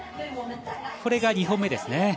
これが２本目ですね。